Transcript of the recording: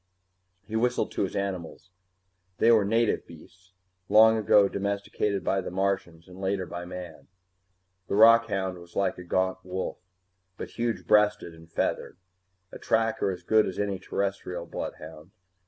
He whistled to his animals. They were native beasts, long ago domesticated by the Martians and later by man. The rockhound was like a gaunt wolf, but huge breasted and feathered, a tracker as good as any Terrestrial bloodhound.